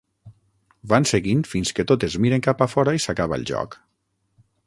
Van seguint fins que totes miren cap a fora i s’acaba el joc.